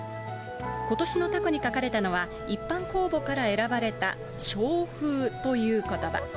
ことしのたこに書かれたのは、一般公募から選ばれた勝風ということば。